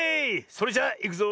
それじゃいくぞ。